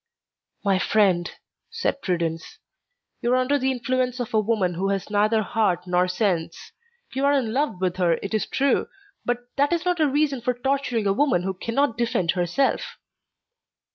"My friend," said Prudence, "you are under the influence of a woman who has neither heart nor sense; you are in love with her, it is true, but that is not a reason for torturing a woman who can not defend herself."